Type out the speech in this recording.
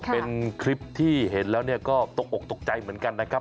เป็นคลิปที่เห็นแล้วก็ตกอกตกใจเหมือนกันนะครับ